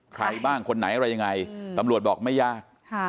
ใครบ้างคนไหนอะไรยังไงตำรวจบอกไม่ยาก